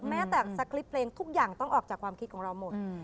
แม้แต่สคริปต์เพลงทุกอย่างต้องออกจากความคิดของเราหมด